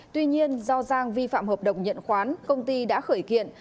tuy nhiên do giang vi phạm hợp đồng nhận khoán công ty đã khởi kiện